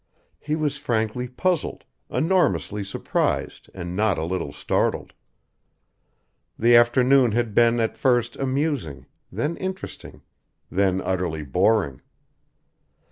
He was frankly puzzled, enormously surprised and not a little startled. The afternoon had been at first amusing, then interesting then utterly boring.